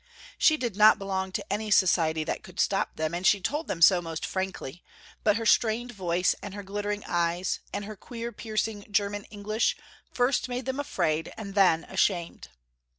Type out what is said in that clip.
She did not belong to any society that could stop them and she told them so most frankly, but her strained voice and her glittering eyes, and her queer piercing german english first made them afraid and then ashamed.